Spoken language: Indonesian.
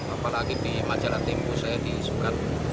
apalagi di majalah timur saya disukai